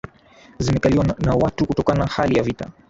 zimekaliwa na watu Kutokanana hali ya vita